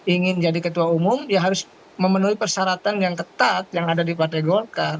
ingin jadi ketua umum ya harus memenuhi persyaratan yang ketat yang ada di partai golkar